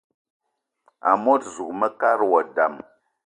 Amot zuga mekad wa dam: